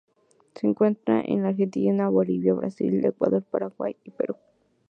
Se encuentra en el Argentina, Bolivia, Brasil, Ecuador, Paraguay y Perú.